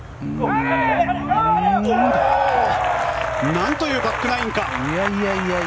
なんというバックナインか！